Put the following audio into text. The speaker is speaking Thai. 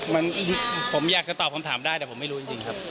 มันผมอยากจะตอบคำถามได้แต่ผมไม่รู้จริงครับ